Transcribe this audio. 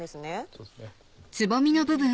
そうですね。